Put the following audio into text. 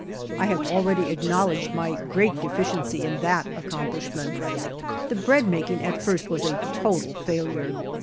1 have already acknowledged my great deficiency in that accomplishment. The bread making at first was a total failnre.